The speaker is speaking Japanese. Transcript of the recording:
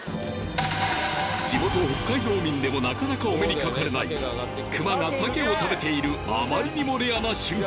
地元北海道民でもなかなかお目にかかれない熊がサケを食べているあまりにもレアな瞬間